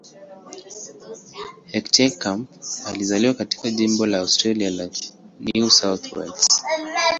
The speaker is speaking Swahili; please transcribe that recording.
Heckenkamp alizaliwa katika jimbo la Australia la New South Wales.